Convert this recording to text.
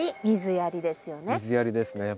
水やりですね。